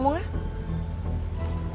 mau kemana sih michelle